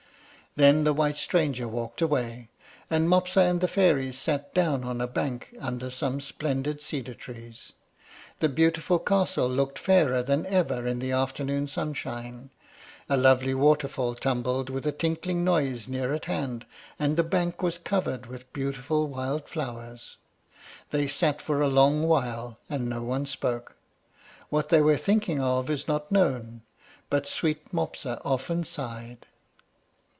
Then the white stranger walked away, and Mopsa and the fairies sat down on a bank under some splendid cedar trees. The beautiful castle looked fairer than ever in the afternoon sunshine; a lovely waterfall tumbled with a tinkling noise near at hand, and the bank was covered with beautiful wild flowers. They sat for a long while, and no one spoke: what they were thinking of is not known, but sweet Mopsa often sighed.